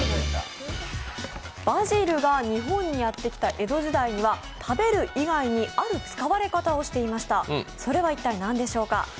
バジルが日本にやってきた江戸時代には食べる以外にある使われ方をしていました。